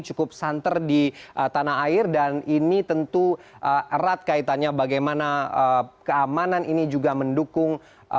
cukup santer di tanah air dan ini tentu erat kaitannya bagaimana keamanan ini juga mendukung